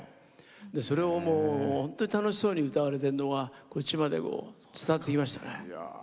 それを本当に楽しそうに歌われてるのはこっちまで伝わってきましたね。